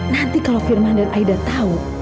nanti kalau firman dan aida tahu